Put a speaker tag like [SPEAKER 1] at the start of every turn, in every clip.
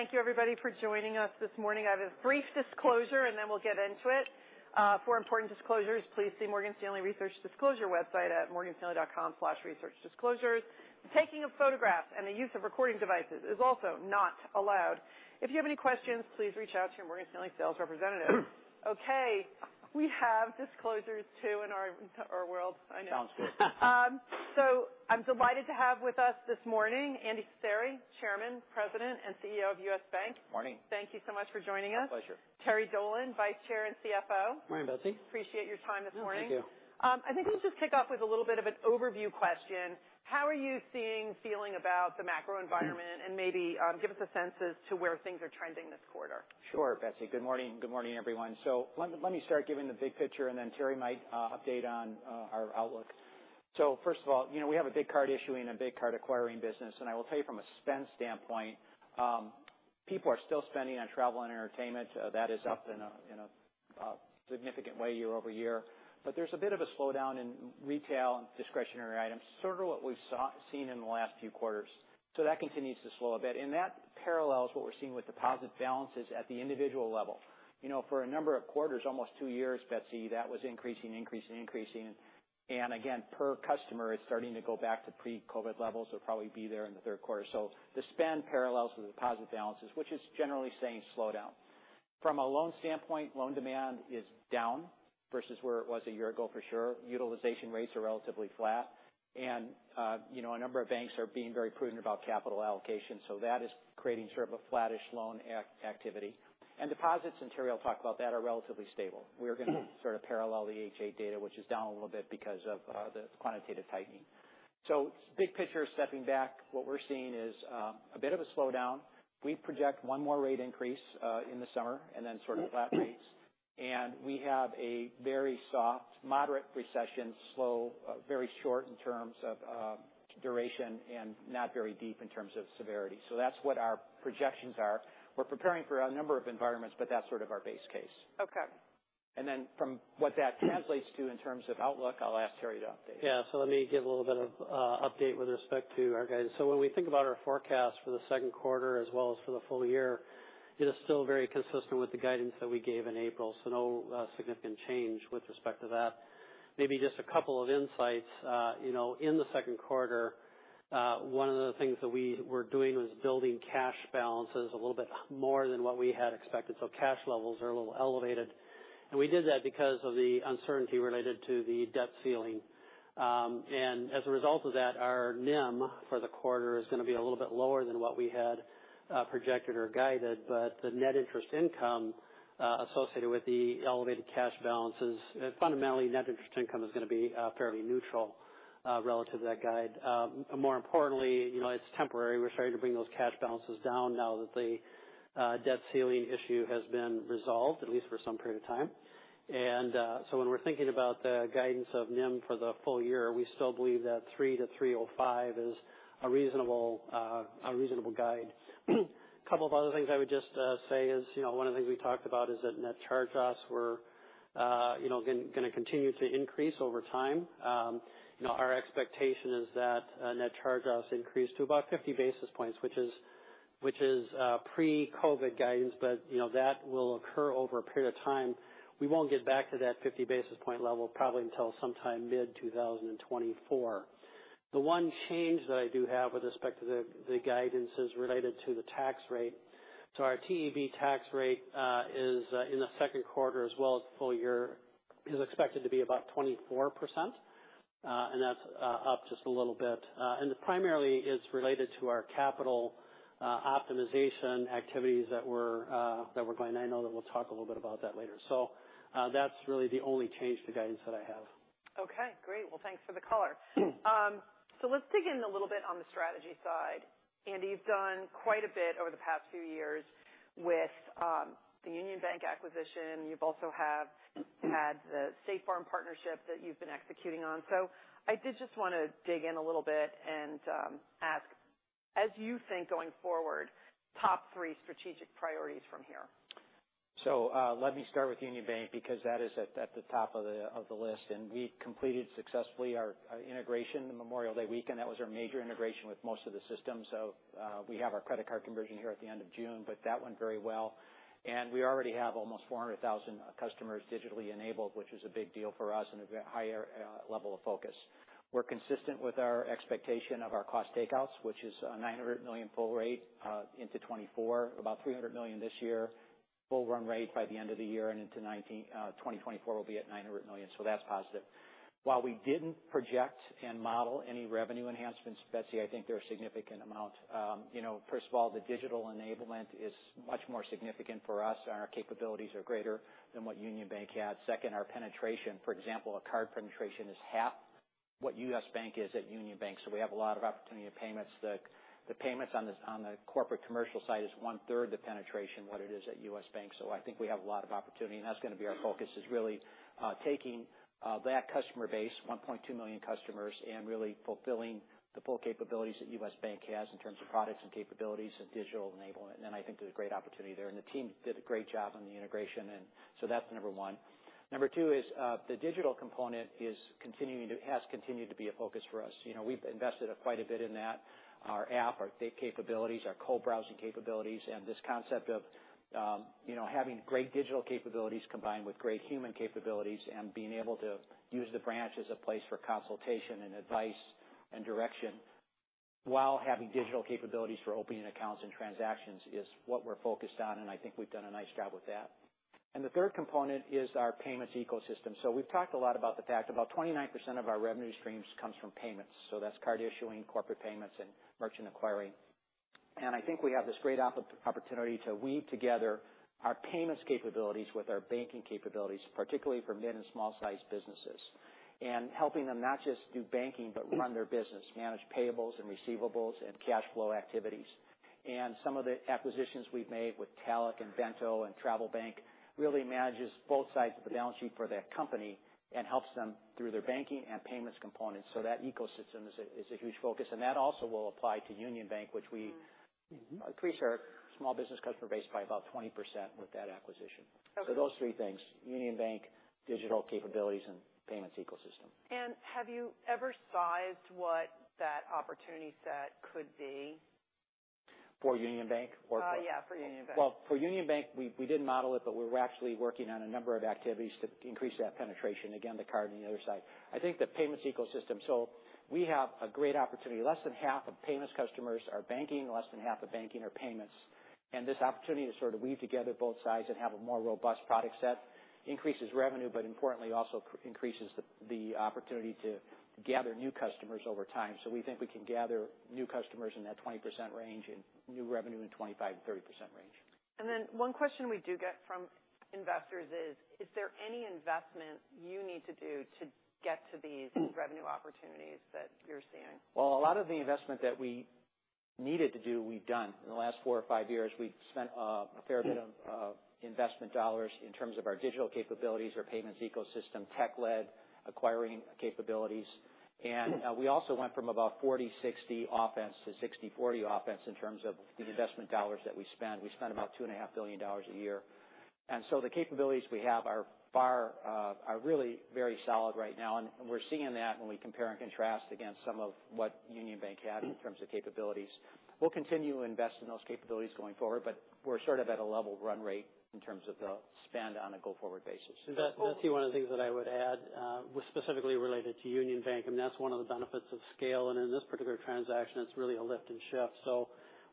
[SPEAKER 1] Thank you everybody for joining us this morning. I have a brief disclosure. Then we'll get into it. For important disclosures, please see Morgan Stanley Research Disclosure website at morganstanley.com/researchdisclosures. The taking of photographs and the use of recording devices is also not allowed. If you have any questions, please reach out to your Morgan Stanley sales representative. We have disclosures, too, in our world. I know.
[SPEAKER 2] Sounds good.
[SPEAKER 1] I'm delighted to have with us this morning, Andy Cecere, Chairman, President, and CEO of U.S. Bancorp.
[SPEAKER 2] Morning.
[SPEAKER 1] Thank you so much for joining us.
[SPEAKER 2] Pleasure.
[SPEAKER 1] Terry Dolan, Vice Chair and CFO.
[SPEAKER 3] Morning, Betsy.
[SPEAKER 1] Appreciate your time this morning.
[SPEAKER 3] Yeah, thank you.
[SPEAKER 1] I think let's just kick off with a little bit of an overview question. How are you seeing, feeling about the macro environment? Maybe, give us a sense as to where things are trending this quarter?
[SPEAKER 2] Sure, Betsy. Good morning. Good morning, everyone. Let me start giving the big picture, and then Terry might update on our outlook. First of all, you know, we have a big card issuing and a big card acquiring business, and I will tell you from a spend standpoint, people are still spending on travel and entertainment. That is up in a significant way year-over-year. There's a bit of a slowdown in retail and discretionary items, sort of what we've seen in the last few quarters. That continues to slow a bit. That parallels what we're seeing with deposit balances at the individual level. You know, for a number of quarters, almost two years, Betsy, that was increasing. Again, per customer, it's starting to go back to pre-COVID levels, probably be there in the third quarter. The spend parallels the deposit balances, which is generally saying slowdown. From a loan standpoint, loan demand is down versus where it was a year ago for sure. Utilization rates are relatively flat, you know, a number of banks are being very prudent about capital allocation, that is creating sort of a flattish loan activity. Deposits, and Terry will talk about that, are relatively stable. We're going to sort of parallel the H.8 data, which is down a little bit because of the quantitative tightening. Big picture, stepping back, what we're seeing is a bit of a slowdown. We project one more rate increase in the summer and then sort of flat rates. We have a very soft, moderate recession, slow, very short in terms of duration and not very deep in terms of severity. That's what our projections are. We're preparing for a number of environments, but that's sort of our base case.
[SPEAKER 1] Okay.
[SPEAKER 2] From what that translates to in terms of outlook, I'll ask Terry to update.
[SPEAKER 3] Let me give a little bit of update with respect to our guidance. When we think about our forecast for the second quarter as well as for the full year, it is still very consistent with the guidance that we gave in April, no significant change with respect to that. Maybe just a couple of insights. You know, in the second quarter, one of the things that we were doing was building cash balances a little bit more than what we had expected, cash levels are a little elevated. We did that because of the uncertainty related to the debt ceiling. As a result of that, our NIM for the quarter is going to be a little bit lower than what we had projected or guided, but the net interest income associated with the elevated cash balances, fundamentally, net interest income is going to be fairly neutral relative to that guide. More importantly, you know, it's temporary. We're starting to bring those cash balances down now that the debt ceiling issue has been resolved, at least for some period of time. So when we're thinking about the guidance of NIM for the full year, we still believe that 3%-3.05% is a reasonable guide. A couple of other things I would just say is, you know, one of the things we talked about is that net charge-offs were, you know, going to continue to increase over time. You know, our expectation is that net charge-offs increase to about 50 basis points, which is pre-COVID guidance, but, you know, that will occur over a period of time. We won't get back to that 50 basis point level probably until sometime mid-2024. The one change that I do have with respect to the guidance is related to the tax rate. Our TEB tax rate is in the second quarter as well as full year, is expected to be about 24%, and that's up just a little bit. Primarily is related to our capital optimization activities that were going on. I know that we'll talk a little bit about that later. That's really the only change to guidance that I have.
[SPEAKER 1] Okay, great. Well, thanks for the color. Let's dig in a little bit on the strategy side. Andy, you've done quite a bit over the past few years with the Union Bank acquisition. You've also had the State Farm partnership that you've been executing on. I did just want to dig in a little bit and ask, as you think going forward, top three strategic priorities from here?
[SPEAKER 2] Let me start with Union Bank, because that is at the top of the list. We completed successfully our integration Memorial Day weekend. That was our major integration with most of the systems. We have our credit card conversion here at the end of June, but that went very well. We already have almost 400,000 customers digitally enabled, which is a big deal for us and a higher level of focus. We're consistent with our expectation of our cost takeouts, which is a $900 million full rate into 2024, about $300 million this year. Full run rate by the end of the year and into 2024 will be at $900 million. That's positive. While we didn't project and model any revenue enhancements, Betsy, I think there are a significant amount. You know, first of all, the digital enablement is much more significant for us, and our capabilities are greater than what Union Bank had. Second, our penetration, for example, a card penetration is half what U.S. Bank is at Union Bank, so we have a lot of opportunity of payments. The payments on this, on the corporate commercial side is one third the penetration, what it is at U.S. Bank. I think we have a lot of opportunity, and that's going to be our focus, is really taking that customer base, 1.2 million customers, and really fulfilling the full capabilities that U.S. Bank has in terms of products and capabilities and digital enablement. I think there's a great opportunity there, the team did a great job on the integration, that's number one. Number two is, the digital component has continued to be a focus for us. You know, we've invested quite a bit in that. Our app, our capabilities, our co-browsing capabilities, and this concept of, you know, having great digital capabilities combined with great human capabilities and being able to use the branch as a place for consultation and advice and direction while having digital capabilities for opening accounts and transactions is what we're focused on. I think we've done a nice job with that. The third component is our payments ecosystem. We've talked a lot about the fact about 29% of our revenue streams comes from payments, that's card issuing, corporate payments, and merchant acquiring. I think we have this great opportunity to weave together our payments capabilities with our banking capabilities, particularly for mid and small-sized businesses, and helping them not just do banking, but run their business, manage payables and receivables and cash flow activities. Some of the acquisitions we've made with Talech and Bento and TravelBank really manages both sides of the balance sheet for that company and helps them through their banking and payments components. That ecosystem is a huge focus, and that also will apply to Union Bank, which we increase our small business customer base by about 20% with that acquisition.
[SPEAKER 1] Okay.
[SPEAKER 2] Those three things, Union Bank, digital capabilities, and payments ecosystem.
[SPEAKER 1] Have you ever sized what that opportunity set could be?
[SPEAKER 2] For Union Bank.
[SPEAKER 1] Yeah, for Union Bank.
[SPEAKER 2] Well, for Union Bank, we didn't model it, but we're actually working on a number of activities to increase that penetration. Again, the card on the other side. I think the payments ecosystem. We have a great opportunity. Less than half of payments customers are banking, less than half of banking are payments. This opportunity to sort of weave together both sides and have a more robust product set increases revenue, but importantly, also increases the opportunity to gather new customers over time. We think we can gather new customers in that 20% range and new revenue in 25%-30% range.
[SPEAKER 1] One question we do get from investors is: Is there any investment you need to do to get to these revenue opportunities that you're seeing?
[SPEAKER 2] Well, a lot of the investment that we needed to do, we've done. In the last four or five years, we've spent a fair bit of investment dollars in terms of our digital capabilities, our payments ecosystem, tech-led acquiring capabilities. We also went from about 40-60 offense to 60-40 offense in terms of the investment dollars that we spend. We spend about two and a half billion dollars a year. The capabilities we have are far, are really very solid right now, and we're seeing that when we compare and contrast against some of what Union Bank had in terms of capabilities. We'll continue to invest in those capabilities going forward, but we're sort of at a level run rate in terms of the spend on a go-forward basis.
[SPEAKER 3] Betsy, Betsy, one of the things that I would add was specifically related to Union Bank, and that's one of the benefits of scale. In this particular transaction, it's really a lift and shift.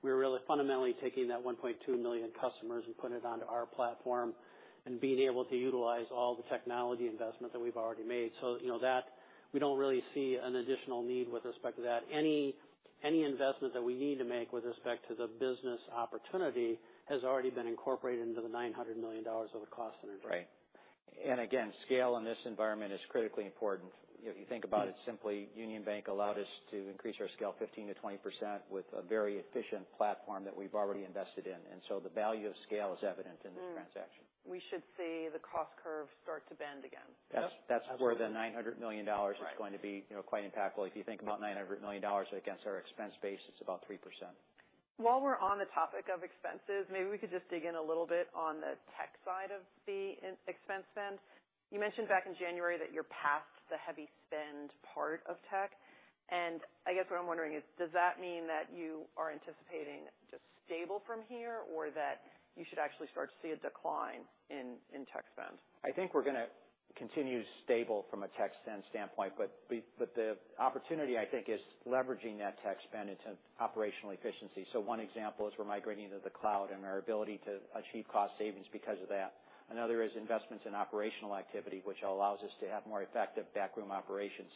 [SPEAKER 3] We're really fundamentally taking that $1.2 million customers and putting it onto our platform and being able to utilize all the technology investment that we've already made. You know that we don't really see an additional need with respect to that. Any investment that we need to make with respect to the business opportunity has already been incorporated into the $900 million of the cost and integration.
[SPEAKER 2] Right. Again, scale in this environment is critically important. If you think about it simply, Union Bank allowed us to increase our scale 15%-20% with a very efficient platform that we've already invested in. The value of scale is evident in this transaction.
[SPEAKER 1] We should see the cost curve start to bend again.
[SPEAKER 2] Yes.
[SPEAKER 3] Yep.
[SPEAKER 2] That's where the $900 million dollars-
[SPEAKER 1] Right.
[SPEAKER 2] is going to be, you know, quite impactful. If you think about $900 million against our expense base, it's about 3%.
[SPEAKER 1] While we're on the topic of expenses, maybe we could just dig in a little bit on the tech side of the in- expense spend. You mentioned back in January that you're past the heavy spend part of tech. I guess what I'm wondering is, does that mean that you are anticipating just stable from here or that you should actually start to see a decline in tech spend?
[SPEAKER 2] I think we're going to continue stable from a tech spend standpoint, but the opportunity, I think, is leveraging that tech spend into operational efficiency. One example is we're migrating to the cloud and our ability to achieve cost savings because of that. Another is investments in operational activity, which allows us to have more effective back room operations.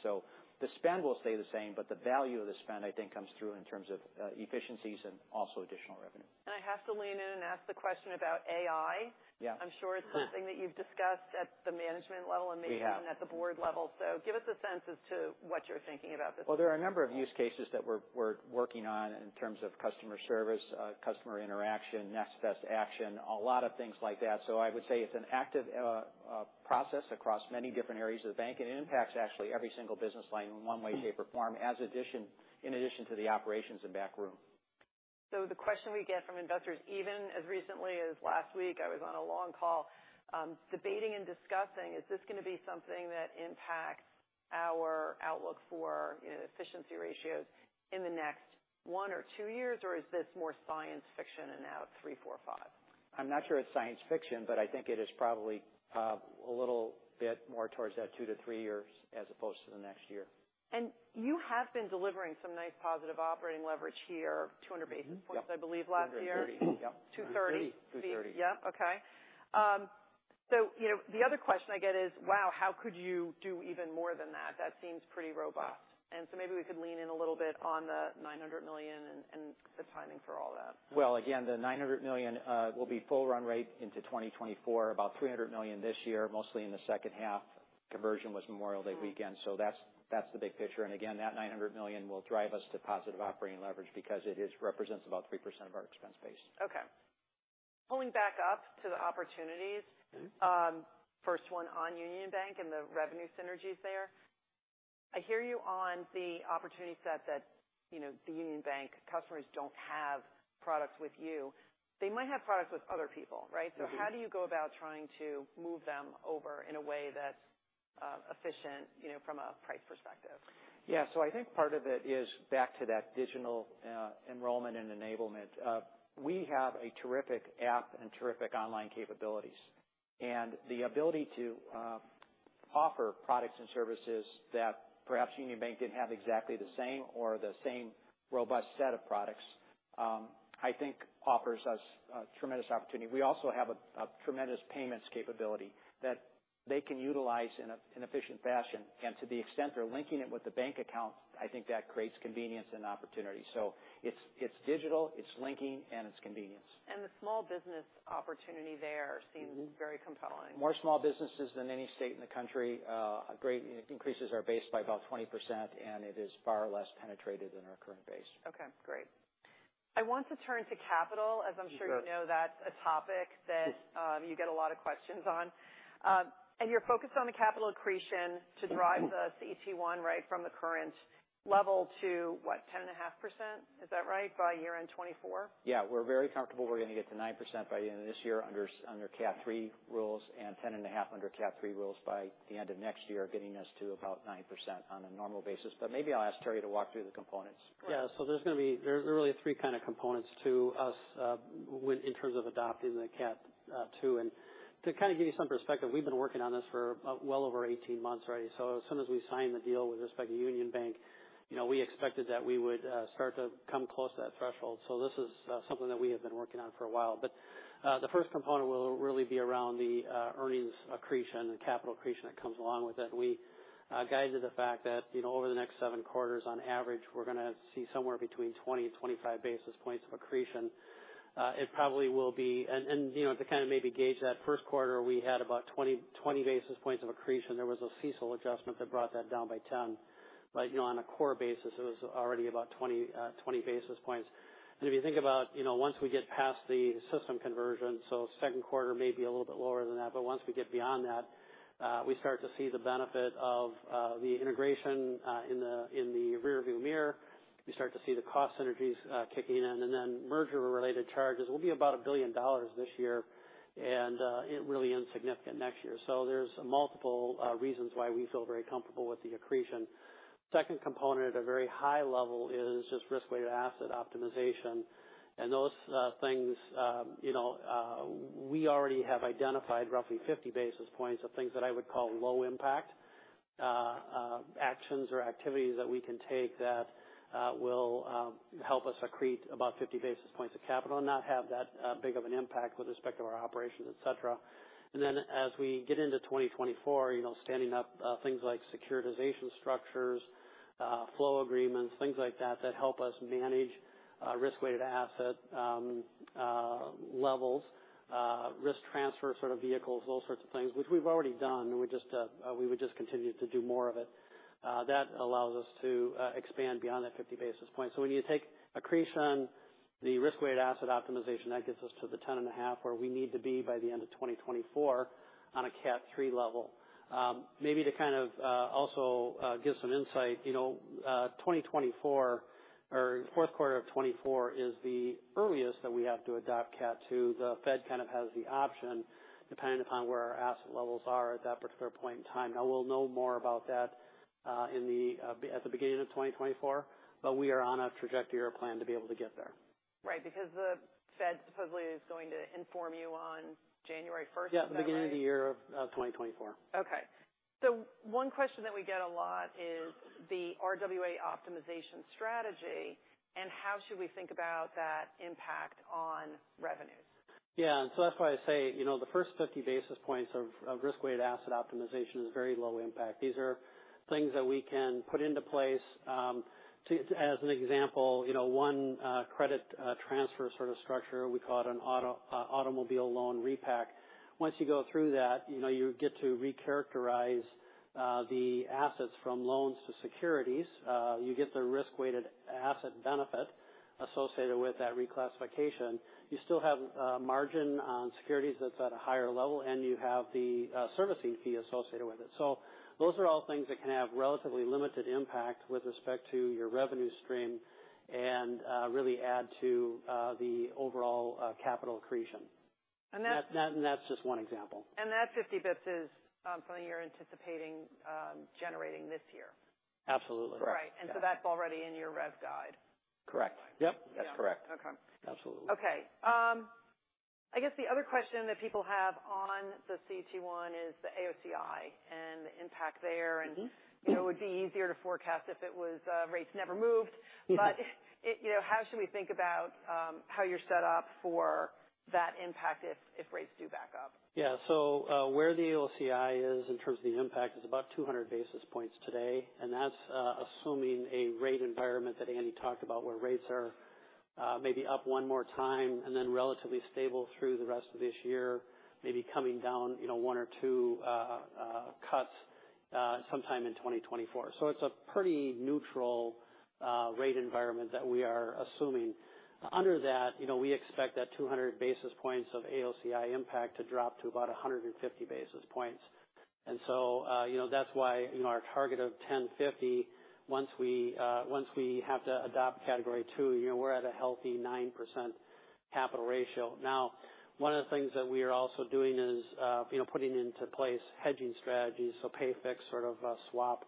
[SPEAKER 2] The spend will stay the same, but the value of the spend, I think, comes through in terms of efficiencies and also additional revenue.
[SPEAKER 1] I have to lean in and ask the question about AI.
[SPEAKER 2] Yeah.
[SPEAKER 1] I'm sure it's something that you've discussed at the management level.
[SPEAKER 2] We have.
[SPEAKER 1] Maybe even at the board level. Give us a sense as to what you're thinking about this.
[SPEAKER 2] There are a number of use cases that we're working on in terms of customer service, customer interaction, next best action, a lot of things like that. I would say it's an active process across many different areas of the bank, and it impacts actually every single business line in one way, shape, or form, in addition to the operations and back room.
[SPEAKER 1] The question we get from investors, even as recently as last week, I was on a long call, debating and discussing, is this going to be something that impacts our outlook for efficiency ratios in the next one or two years, or is this more science fiction and out three, four, five?
[SPEAKER 2] I'm not sure it's science fiction, but I think it is probably a little bit more towards that 2-3 years as opposed to the next year.
[SPEAKER 1] You have been delivering some nice positive operating leverage here, 200 basis points.
[SPEAKER 2] Yep.
[SPEAKER 1] I believe, last year.
[SPEAKER 2] 230. Yep.
[SPEAKER 1] 230.
[SPEAKER 2] 230.
[SPEAKER 1] Yep. Okay. You know, the other question I get is, wow, how could you do even more than that? That seems pretty robust. Maybe we could lean in a little bit on the $900 million and the timing for all that.
[SPEAKER 2] Well, again, the $900 million will be full run rate into 2024, about $300 million this year, mostly in the second half. Conversion was Memorial Day weekend. That's the big picture. Again, that $900 million will drive us to positive operating leverage because it represents about 3% of our expense base.
[SPEAKER 1] Okay. Pulling back up to the opportunities, first one on Union Bank and the revenue synergies there. I hear you on the opportunity set that, you know, the Union Bank customers don't have products with you. They might have products with other people, right?
[SPEAKER 2] Mm-hmm.
[SPEAKER 1] How do you go about trying to move them over in a way that's efficient, you know, from a price perspective?
[SPEAKER 2] Yeah. I think part of it is back to that digital enrollment and enablement. We have a terrific app and terrific online capabilities, and the ability to offer products and services that perhaps Union Bank didn't have exactly the same or the same robust set of products, I think offers us a tremendous opportunity. We also have a tremendous payments capability that they can utilize in an efficient fashion, and to the extent they're linking it with the bank account, I think that creates convenience and opportunity. It's digital, it's linking, and it's convenience.
[SPEAKER 1] The small business opportunity there.
[SPEAKER 2] Mm-hmm
[SPEAKER 1] very compelling.
[SPEAKER 2] More small businesses than any state in the country. Increases our base by about 20%, and it is far less penetrated than our current base.
[SPEAKER 1] Okay, great. I want to turn to capital.
[SPEAKER 2] Sure.
[SPEAKER 1] As I'm sure you know, that's a topic that, you get a lot of questions on. You're focused on the capital accretion to drive the CET1, right, from the current level to, what, 10.5%? Is that right, by year-end 2024?
[SPEAKER 2] Yeah, we're very comfortable we're going to get to 9% by the end of this year under Cat III rules, and 10.5 under Cat III rules by the end of next year, getting us to about 9% on a normal basis. Maybe I'll ask Terry to walk through the components.
[SPEAKER 1] Great.
[SPEAKER 3] Yeah. There are really 3 kind of components to us, in terms of adopting the Cat II. To kind of give you some perspective, we've been working on this for well over 18 months already. As soon as we signed the deal with respect to Union Bank, you know, we expected that we would start to come close to that threshold. This is something that we have been working on for a while. The first component will really be around the earnings accretion and capital accretion that comes along with it. We guided the fact that, you know, over the next 7 quarters, on average, we're going to see somewhere between 20-25 basis points of accretion. It probably will be, you know, to kind of maybe gauge that first quarter, we had about 20 basis points of accretion. There was a CECL adjustment that brought that down by 10. You know, on a core basis, it was already about 20 basis points. If you think about, you know, once we get past the system conversion, so second quarter may be a little bit lower than that, but once we get beyond that, we start to see the benefit of the integration in the rearview mirror. We start to see the cost synergies kicking in, and then merger-related charges will be about $1 billion this year and really insignificant next year. There's multiple reasons why we feel very comfortable with the accretion. Second component at a very high level is just risk-weighted asset optimization. Those, you know, we already have identified roughly 50 basis points of things that I would call low impact actions or activities that we can take that will help us accrete about 50 basis points of capital and not have that big of an impact with respect to our operations, et cetera. Then as we get into 2024, you know, standing up things like securitization structures, flow agreements, things like that help us manage risk-weighted asset levels, risk transfer sort of vehicles, those sorts of things, which we've already done, and we would just continue to do more of it. That allows us to expand beyond that 50 basis points. When you take accretion, the risk-weighted asset optimization, that gets us to the 10.5, where we need to be by the end of 2024 on a CET1 level. Maybe to kind of also give some insight, you know, 2024 or fourth quarter of 2024 is the earliest that we have to adopt Category II. The Fed kind of has the option, depending upon where our asset levels are at that particular point in time. We'll know more about that in the at the beginning of 2024, but we are on a trajectory or plan to be able to get there.
[SPEAKER 1] Right. The Fed supposedly is going to inform you on January 1st. Is that right?
[SPEAKER 3] Yeah, the beginning of the year of 2024.
[SPEAKER 1] Okay. One question that we get a lot is the RWA optimization strategy and how should we think about that impact on revenues?
[SPEAKER 3] Yeah. That's why I say, you know, the first 50 basis points of risk-weighted asset optimization is very low impact. These are things that we can put into place, as an example, you know, one credit transfer sort of structure, we call it an automobile loan repack. Once you go through that, you know, you get to recharacterize the assets from loans to securities. You get the risk-weighted asset benefit associated with that reclassification. You still have margin on securities that's at a higher level, and you have the servicing fee associated with it. Those are all things that can have relatively limited impact with respect to your revenue stream and really add to the overall capital accretion.
[SPEAKER 1] And that-
[SPEAKER 3] That's just one example.
[SPEAKER 1] That 50 bps is something you're anticipating generating this year?
[SPEAKER 3] Absolutely.
[SPEAKER 1] Right.
[SPEAKER 3] Yeah.
[SPEAKER 1] That's already in your rev guide?
[SPEAKER 3] Correct. Yep, that's correct.
[SPEAKER 1] Okay.
[SPEAKER 3] Absolutely.
[SPEAKER 1] Okay. I guess the other question that people have on the CET1 is the AOCI and the impact there.
[SPEAKER 3] Mm-hmm.
[SPEAKER 1] You know, it would be easier to forecast if it was, rates never moved.
[SPEAKER 3] Mm-hmm.
[SPEAKER 1] How, you know, should we think about how you're set up for that impact if rates do back up?
[SPEAKER 3] Yeah. Where the AOCI is in terms of the impact is about 200 basis points today, and that's assuming a rate environment that Andy talked about, where rates are maybe up 1 more time and then relatively stable through the rest of this year, maybe coming down, you know, 1 or 2 cuts sometime in 2024. It's a pretty neutral rate environment that we are assuming. Under that, you know, we expect that 200 basis points of AOCI impact to drop to about 150 basis points. you know, that's why, you know, our target of 10.50, once we once we have to adopt Category II, you know, we're at a healthy 9% capital ratio. One of the things that we are also doing is, you know, putting into place hedging strategies, so pay-fixed sort of swap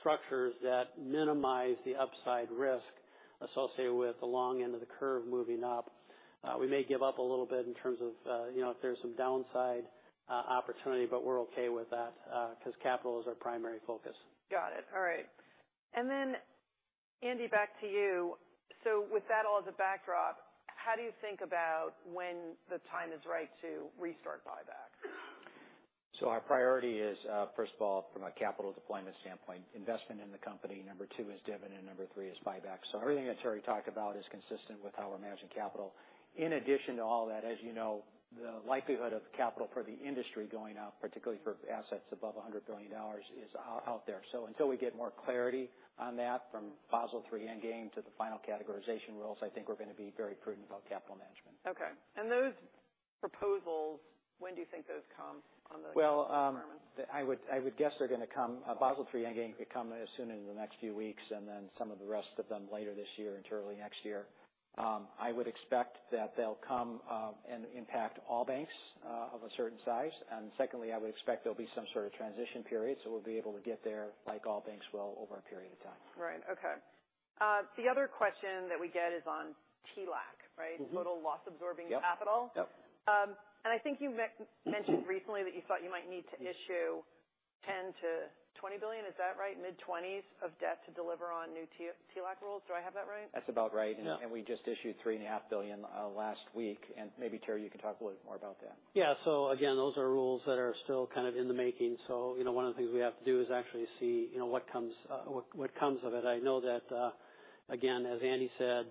[SPEAKER 3] structures that minimize the upside risk associated with the long end of the curve moving up. We may give up a little bit in terms of, you know, if there's some downside opportunity, but we're okay with that, because capital is our primary focus.
[SPEAKER 1] Got it. All right. Andy, back to you. With that all as a backdrop, how do you think about when the time is right to restart buyback?
[SPEAKER 2] Our priority is, first of all, from a capital deployment standpoint, investment in the company. Number two is dividend, and number three is buyback. Everything that Terry talked about is consistent with how we're managing capital. In addition to all that, as you know, the likelihood of capital for the industry going up, particularly for assets above $100 billion, is out there. Until we get more clarity on that from Basel III Endgame to the final categorization rules, I think we're going to be very prudent about capital management.
[SPEAKER 1] Okay. Those proposals, when do you think those come on the-
[SPEAKER 2] I would guess they're going to come, Basel III Endgame could come as soon as the next few weeks, and then some of the rest of them later this year into early next year. I would expect that they'll come and impact all banks of a certain size. Secondly, I would expect there'll be some sort of transition period, so we'll be able to get there, like all banks will, over a period of time.
[SPEAKER 1] Right. Okay. The other question that we get is on TLAC, right?
[SPEAKER 2] Mm-hmm.
[SPEAKER 1] Total loss-absorbing capital.
[SPEAKER 2] Yep. Yep.
[SPEAKER 1] I think you've mentioned recently that you thought you might need to issue $10 billion-$20 billion. Is that right? Mid-20s of debt to deliver on new TLAC rules. Do I have that right?
[SPEAKER 2] That's about right.
[SPEAKER 3] Yeah.
[SPEAKER 2] We just issued $3.5 billion last week. Maybe, Terry, you can talk a little bit more about that.
[SPEAKER 3] Yeah. Again, those are rules that are still kind of in the making. You know, one of the things we have to do is actually see, you know, what comes of it. I know that again, as Andy said,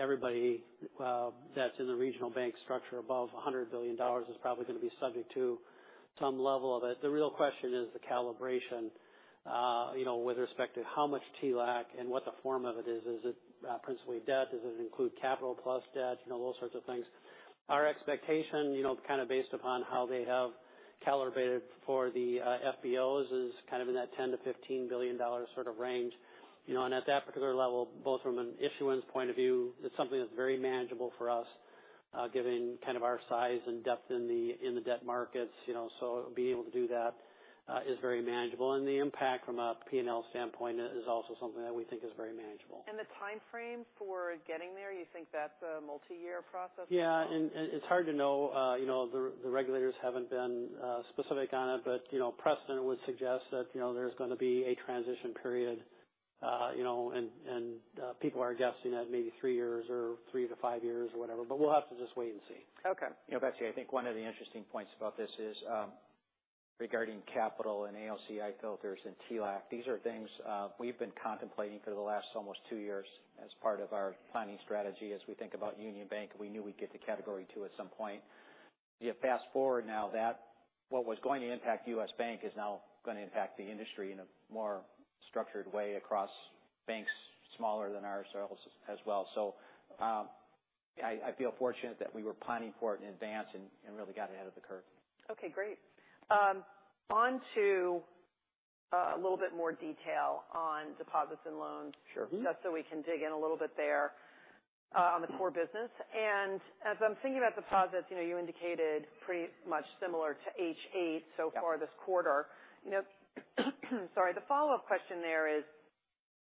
[SPEAKER 3] everybody that's in the regional bank structure above $100 billion is probably going to be subject to some level of it. The real question is the calibration, you know, with respect to how much TLAC and what the form of it is. Is it principally debt? Does it include capital plus debt? You know, those sorts of things. Our expectation, you know, kind of based upon how they have calibrated for the FBOs, is kind of in that $10 billion-$15 billion sort of range. You know, at that particular level, both from an issuance point of view, it's something that's very manageable for us, given kind of our size and depth in the debt markets, you know, so being able to do that, is very manageable. The impact from a P&L standpoint is also something that we think is very manageable.
[SPEAKER 1] The time frame for getting there, you think that's a multi-year process?
[SPEAKER 3] Yeah, and it's hard to know. You know, the regulators haven't been specific on it, but, you know, precedent would suggest that, you know, there's going to be a transition period, you know, and people are guessing at maybe 3 years or 3-5 years or whatever, but we'll have to just wait and see.
[SPEAKER 1] Okay.
[SPEAKER 2] You know, Betsy, I think one of the interesting points about this is, regarding capital and AOCI filters and TLAC. These are things, we've been contemplating for the last almost 2 years as part of our planning strategy. As we think about Union Bank, we knew we'd get to Category II at some point. You fast forward now, that what was going to impact U.S. Bank is now going to impact the industry in a more structured way across banks smaller than ourselves as well. I feel fortunate that we were planning for it in advance and really got ahead of the curve.
[SPEAKER 1] Okay, great. On to a little bit more detail on deposits and loans.
[SPEAKER 2] Sure.
[SPEAKER 3] Mm-hmm.
[SPEAKER 1] Just so we can dig in a little bit there on the core business. As I'm thinking about deposits, you know, you indicated pretty much similar to H8 so far this quarter.
[SPEAKER 2] Yeah.
[SPEAKER 1] You know, sorry. The follow-up question there is: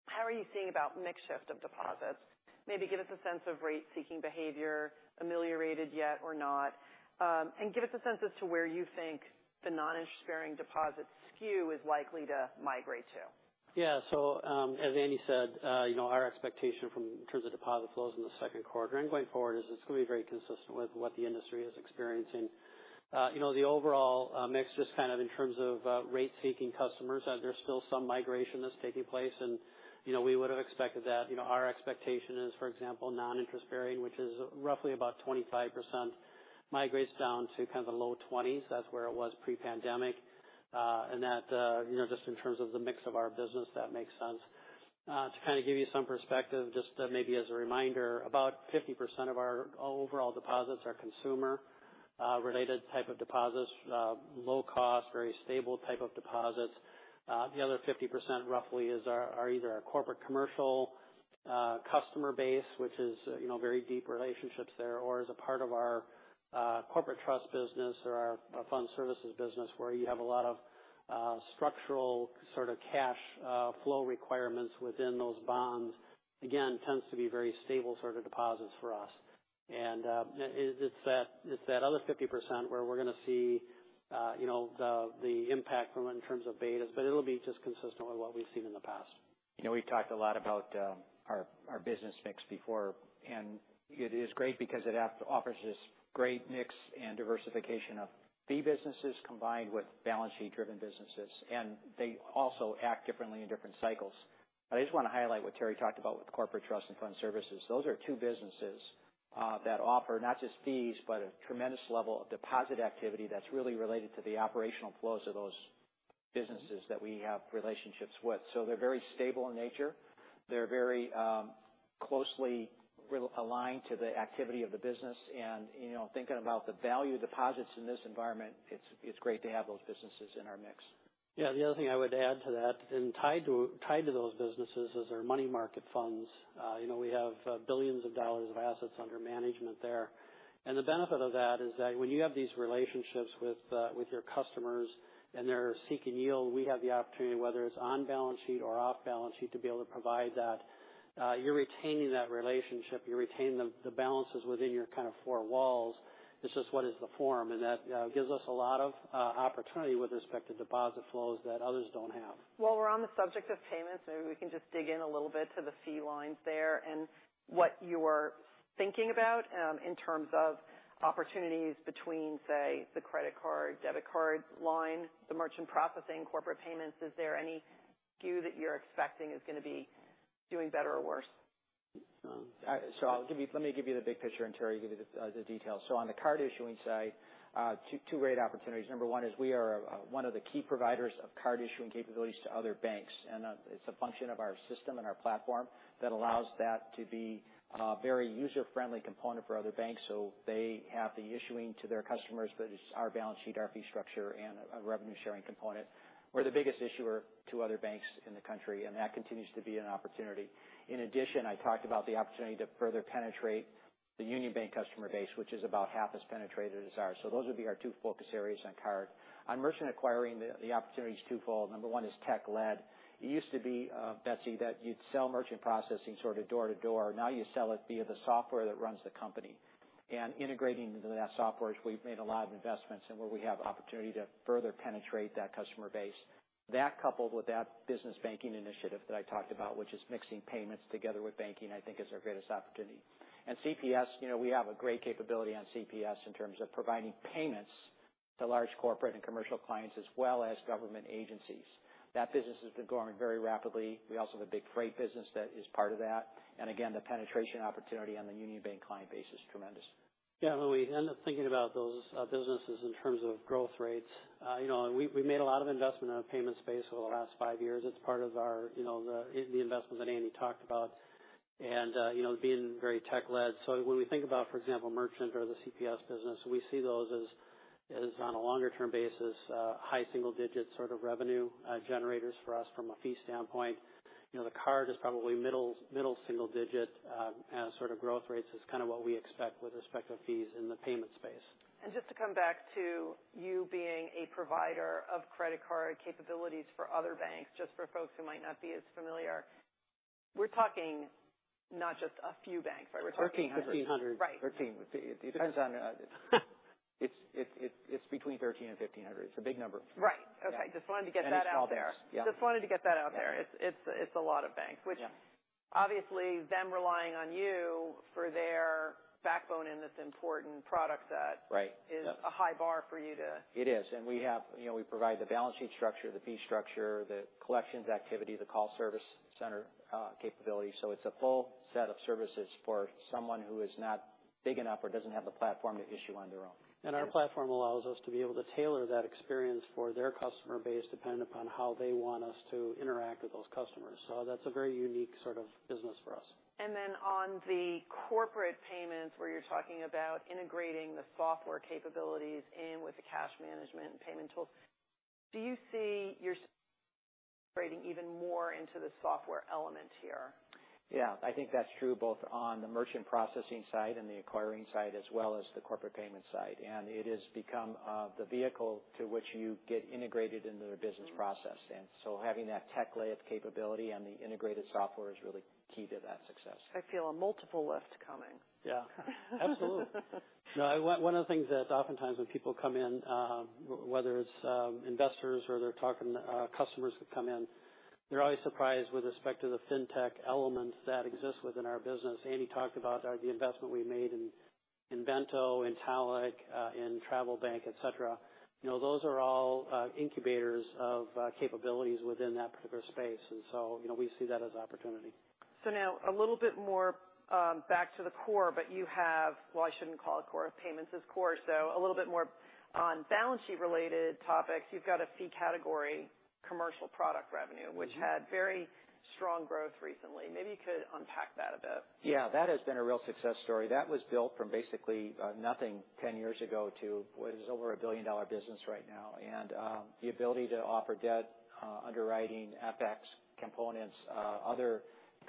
[SPEAKER 1] how are you thinking about mix shift of deposits? Maybe give us a sense of rate-seeking behavior, ameliorated yet or not. Give us a sense as to where you think the non-interest-bearing deposit skew is likely to migrate to.
[SPEAKER 3] Yeah. As Andy said, you know, our expectation in terms of deposit flows in the second quarter and going forward is it's going to be very consistent with what the industry is experiencing. You know, the overall mix, just kind of in terms of rate-seeking customers, there's still some migration that's taking place. You know, we would have expected that. You know, our expectation is, for example, non-interest bearing, which is roughly about 25%, migrates down to kind of the low 20%s. That's where it was pre-pandemic. You know, just in terms of the mix of our business, that makes sense. To kind of give you some perspective, just, maybe as a reminder, about 50% of our overall deposits are consumer related type of deposits. Low cost, very stable type of deposits. The other 50%, roughly, are either our corporate commercial customer base, which is, you know, very deep relationships there, or as a part of our corporate trust business or our fund services business, where you have a lot of structural sort of cash flow requirements within those bonds. Again, tends to be very stable sort of deposits for us. It's that, it's that other 50% where we're going to see, you know, the impact from it in terms of betas, but it'll be just consistent with what we've seen in the past.
[SPEAKER 2] You know, we've talked a lot about our business mix before. It is great because it offers this great mix and diversification of fee businesses combined with balance sheet-driven businesses. They also act differently in different cycles. I just want to highlight what Terry talked about with corporate trust and fund services. Those are two businesses that offer not just fees, but a tremendous level of deposit activity that's really related to the operational flows of those businesses that we have relationships with. They're very stable in nature. They're very closely aligned to the activity of the business and, you know, thinking about the value deposits in this environment, it's great to have those businesses in our mix.
[SPEAKER 3] Yeah. The other thing I would add to that, tied to those businesses is our money market funds. You know, we have billions of dollars of assets under management there. The benefit of that is that when you have these relationships with your customers and they're seeking yield, we have the opportunity, whether it's on balance sheet or off balance sheet, to be able to provide that. You're retaining that relationship, you're retaining the balances within your kind of four walls. It's just what is the form, that gives us a lot of opportunity with respect to deposit flows that others don't have.
[SPEAKER 1] While we're on the subject of payments, maybe we can just dig in a little bit to the fee lines there and what you are thinking about in terms of opportunities between, say, the credit card, debit card line, the merchant processing, corporate payments. Is there any SKU that you're expecting is going to be doing better or worse?
[SPEAKER 2] Let me give you the big picture, and Terry will give you the details. On the card issuing side, two great opportunities. Number one is we are one of the key providers of card issuing capabilities to other banks, and it's a function of our system and our platform that allows that to be a very user-friendly component for other banks. They have the issuing to their customers, but it's our balance sheet, our fee structure, and a revenue sharing component. We're the biggest issuer to other banks in the country, and that continues to be an opportunity. In addition, I talked about the opportunity to further penetrate the Union Bank customer base, which is about half as penetrated as ours. Those would be our two focus areas on card. On merchant acquiring, the opportunity is twofold. Number one is tech lead. It used to be, Betsy, that you'd sell merchant processing sort of door to door. Now you sell it via the software that runs the company. Integrating into that software is we've made a lot of investments and where we have opportunity to further penetrate that customer base. That coupled with that business banking initiative that I talked about, which is mixing payments together with banking, I think is our greatest opportunity. CPS, you know, we have a great capability on CPS in terms of providing payments to large corporate and commercial clients as well as government agencies. That business has been growing very rapidly. We also have a big freight business that is part of that. Again, the penetration opportunity on the Union Bank client base is tremendous.
[SPEAKER 3] Yeah, when we end up thinking about those businesses in terms of growth rates, we made a lot of investment in our payment space over the last five years. It's part of the investment that Andy talked about, and being very tech-led. When we think about, for example, merchant or the CPS business, we see those as on a longer term basis, high single digits sort of revenue generators for us from a fee standpoint. The card is probably middle single digit, as sort of growth rates is kind of what we expect with respect to fees in the payment space.
[SPEAKER 1] Just to come back to you being a provider of credit card capabilities for other banks, just for folks who might not be as familiar, we're talking not just a few banks, but we're talking.
[SPEAKER 2] 13, 1,500.
[SPEAKER 3] 13.
[SPEAKER 1] Right.
[SPEAKER 2] 13. It depends on, it's between 13 and 1,500. It's a big number.
[SPEAKER 1] Right. Okay.
[SPEAKER 2] Yeah.
[SPEAKER 1] Just wanted to get that out there.
[SPEAKER 2] It's all banks. Yeah.
[SPEAKER 1] Just wanted to get that out there.
[SPEAKER 2] Yeah.
[SPEAKER 1] It's a lot of banks.
[SPEAKER 2] Yeah.
[SPEAKER 1] which obviously, them relying on you for their backbone in this important product set
[SPEAKER 2] Right. Yeah.
[SPEAKER 1] is a high bar for you to-
[SPEAKER 2] It is. We have, you know, we provide the balance sheet structure, the fee structure, the collections activity, the call service center, capability. It's a full set of services for someone who is not big enough or doesn't have the platform to issue on their own.
[SPEAKER 3] Our platform allows us to be able to tailor that experience for their customer base, depend upon how they want us to interact with those customers. That's a very unique sort of business for us.
[SPEAKER 1] On the corporate payments, where you're talking about integrating the software capabilities in with the cash management and payment tools, do you see you're creating even more into the software element here?
[SPEAKER 2] Yeah, I think that's true both on the merchant processing side and the acquiring side, as well as the corporate payment side. It has become the vehicle to which you get integrated into their business process.
[SPEAKER 1] Mm-hmm.
[SPEAKER 2] Having that tech layer capability and the integrated software is really key to that success.
[SPEAKER 1] I feel a multiple list coming.
[SPEAKER 3] Yeah, absolutely. No, one of the things that oftentimes when people come in, whether it's investors or they're talking customers who come in, they're always surprised with respect to the fintech elements that exist within our business. Andy talked about the investment we made in Bento, in Talech, in TravelBank, et cetera. You know, those are all incubators of capabilities within that particular space. You know, we see that as opportunity.
[SPEAKER 1] Now a little bit more, back to the core, but well, I shouldn't call it core, payments is core. A little bit more on balance sheet related topics. You've got a fee category, commercial product revenue.
[SPEAKER 2] Mm-hmm.
[SPEAKER 1] which had very strong growth recently. Maybe you could unpack that a bit.
[SPEAKER 2] Yeah, that has been a real success story. That was built from basically nothing 10 years ago to what is over a billion-dollar business right now. The ability to offer debt underwriting, FX components, other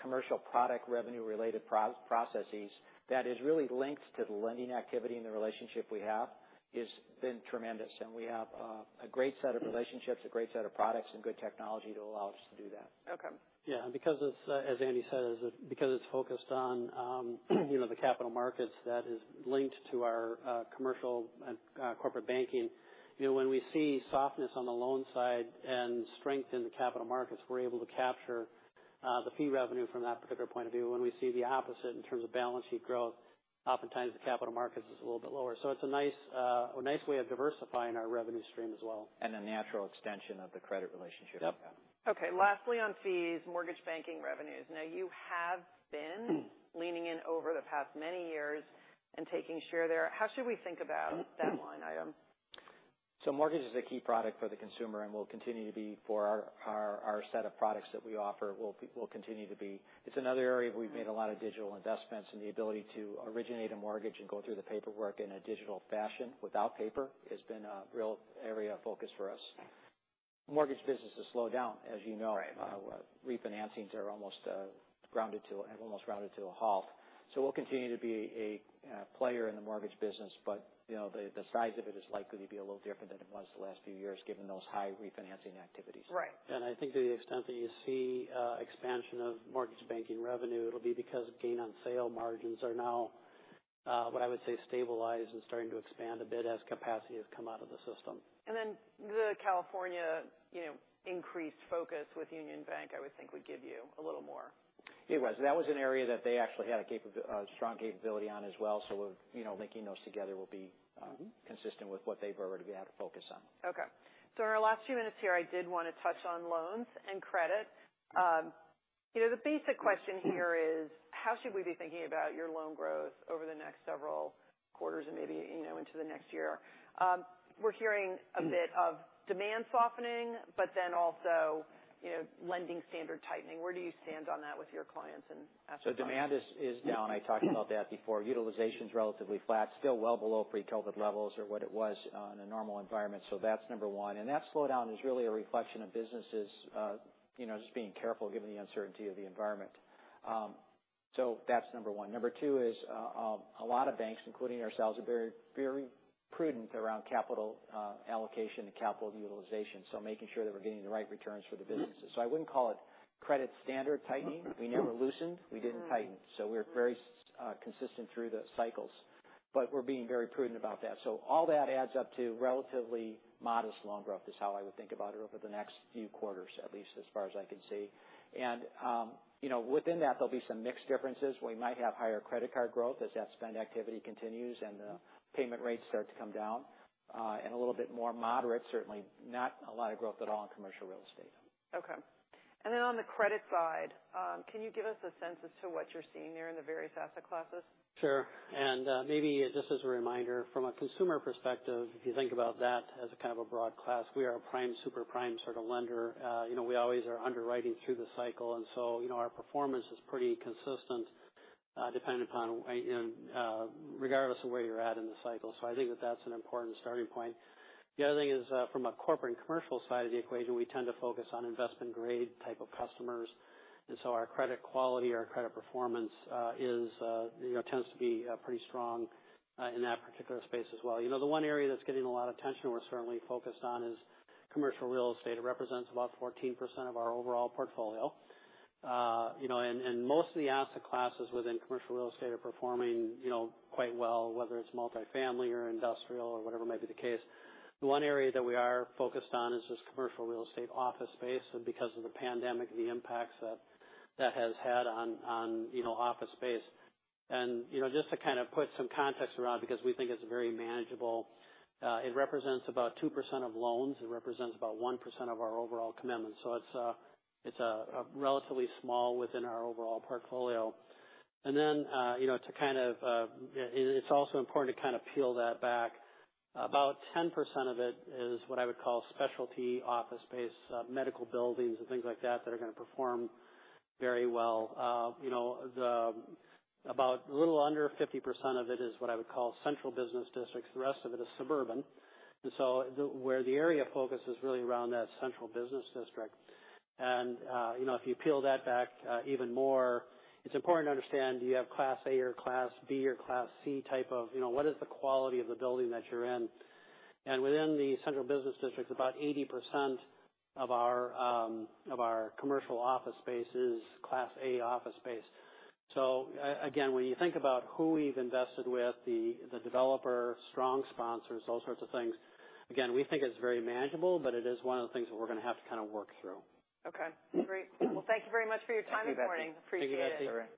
[SPEAKER 2] commercial product revenue-related processes that is really linked to the lending activity and the relationship we have, has been tremendous. We have a great set of relationships, a great set of products, and good technology to allow us to do that.
[SPEAKER 1] Okay.
[SPEAKER 3] Yeah. Because it's, as Andy says, because it's focused on, you know, the capital markets that is linked to our commercial and corporate banking, you know, when we see softness on the loan side and strength in the capital markets, we're able to capture the fee revenue from that particular point of view. When we see the opposite in terms of balance sheet growth, oftentimes the capital markets is a little bit lower. It's a nice, a nice way of diversifying our revenue stream as well.
[SPEAKER 2] A natural extension of the credit relationship.
[SPEAKER 3] Yep.
[SPEAKER 1] Okay. Lastly, on fees, mortgage banking revenues. Now, you have been leaning in over the past many years and taking share there. How should we think about that line item?
[SPEAKER 2] Mortgage is a key product for the consumer and will continue to be for our set of products that we offer, will continue to be. It's another area where we've made a lot of digital investments, and the ability to originate a mortgage and go through the paperwork in a digital fashion without paper has been a real area of focus for us. Mortgage business has slowed down, as you know.
[SPEAKER 1] Right.
[SPEAKER 2] Refinancing are almost grounded to a halt. We'll continue to be a, player in the mortgage business, but, you know, the size of it is likely to be a little different than it was the last few years, given those high refinancing activities.
[SPEAKER 1] Right.
[SPEAKER 3] I think to the extent that you see expansion of mortgage banking revenue, it'll be because gain on sale margins are now what I would say, stabilized and starting to expand a bit as capacity has come out of the system.
[SPEAKER 1] The California, you know, increased focus with Union Bank, I would think would give you a little more.
[SPEAKER 2] It was. That was an area that they actually had a strong capability on as well. You know, linking those together will be consistent with what they've already had a focus on.
[SPEAKER 1] Okay. In our last few minutes here, I did want to touch on loans and credit. You know, the basic question here is: How should we be thinking about your loan growth over the next several quarters and maybe, you know, into the next year? We're hearing a bit of demand softening, but then also, you know, lending standard tightening. Where do you stand on that with your clients?
[SPEAKER 2] Demand is down. I talked about that before. Utilization is relatively flat, still well below pre-COVID levels or what it was in a normal environment. That's number one. That slowdown is really a reflection of businesses, you know, just being careful given the uncertainty of the environment. That's number one. Number two is a lot of banks, including ourselves, are very prudent around capital allocation and capital utilization, so making sure that we're getting the right returns for the businesses. I wouldn't call it credit standard tightening. We never loosened, we didn't tighten. We're very consistent through the cycles, but we're being very prudent about that. All that adds up to relatively modest loan growth, is how I would think about it over the next few quarters, at least as far as I can see. You know, within that, there'll be some mixed differences. We might have higher credit card growth as that spend activity continues and the payment rates start to come down, and a little bit more moderate, certainly not a lot of growth at all in commercial real estate.
[SPEAKER 1] Okay. Then on the credit side, can you give us a sense as to what you're seeing there in the various asset classes?
[SPEAKER 3] Sure. Maybe just as a reminder, from a consumer perspective, if you think about that as a kind of a broad class, we are a prime, super prime sort of lender. You know, we always are underwriting through the cycle, and so, you know, our performance is pretty consistent, depending upon where, and regardless of where you're at in the cycle. I think that that's an important starting point. The other thing is, from a corporate and commercial side of the equation, we tend to focus on investment grade type of customers, and so our credit quality, our credit performance, is, you know, tends to be, pretty strong, in that particular space as well. You know, the one area that's getting a lot of attention, we're certainly focused on is commercial real estate. It represents about 14% of our overall portfolio. You know, and most of the asset classes within commercial real estate are performing, you know, quite well, whether it's multifamily or industrial or whatever might be the case. The one area that we are focused on is this commercial real estate office space, because of the pandemic, the impacts that has had on, you know, office space. You know, just to kind of put some context around, because we think it's very manageable, it represents about 2% of loans. It represents about 1% of our overall commitments. It's, it's a relatively small within our overall portfolio. You know, to kind of, it's also important to kind of peel that back. About 10% of it is what I would call specialty office space, medical buildings and things like that are going to perform very well. You know, about a little under 50% of it is what I would call central business districts. The rest of it is suburban. The, where the area of focus is really around that central business district. You know, if you peel that back even more, it's important to understand, do you have Class A or Class B or Class C type of, you know, what is the quality of the building that you're in? Within the central business district, about 80% of our of our commercial office space is Class A office space. Again, when you think about who we've invested with, the developer, strong sponsors, those sorts of things, again, we think it's very manageable, but it is one of the things that we're going to have to kind of work through.
[SPEAKER 1] Okay, great. Well, thank you very much for your time this morning.
[SPEAKER 2] Thank you, Betsy.
[SPEAKER 1] Appreciate it.